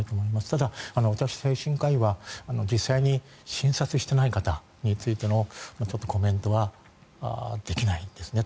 ただ、私、精神科医は実際に診察していない方についてのコメントはできないんですね。